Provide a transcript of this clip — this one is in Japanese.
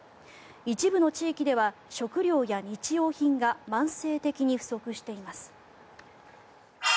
一部の地域では食料や日用品が慢性的に不足しています。